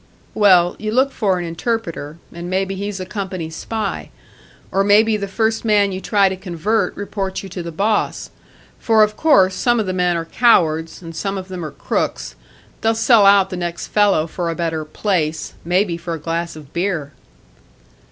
"Well, you look for an interpreter and maybe he's a company spy. Or maybe the first man you try to convert reports you to the boss. For, of course, some of the men are cowards, and some of them are crooks; they'll sell out the next fellow for a better 'place' maybe for a glass of beer."